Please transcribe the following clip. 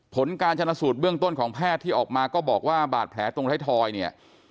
ผลการชนะสูตรเบื้องต้นของแพทย์ที่ออกมาก็บอกว่าบาดแผลตรงไทยทอยเนี่ย